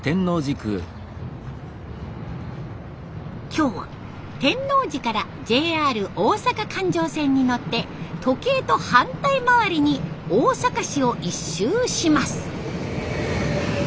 今日は天王寺からＪＲ大阪環状線に乗って時計と反対回りに大阪市を一周します。